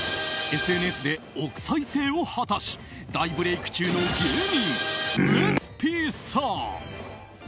ＳＮＳで億再生を果たし大ブレーク中の芸人ウエスＰさん。